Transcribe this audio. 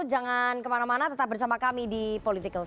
jangan kemana mana tetap bersama kami di political sho